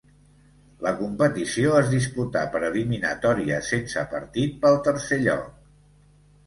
La competició es disputà per eliminatòries sense partit pel tercer lloc.